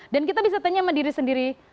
dan kita bisa tanya sama diri sendiri